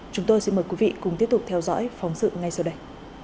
chúng tôi xin mời quý vị cùng tiếp tục theo dõi phóng sự ngay sau đây